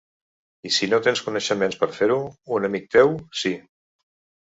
I si no tens coneixements per a fer-ho, un amic teu, sí.